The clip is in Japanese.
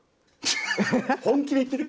本気で言ってる？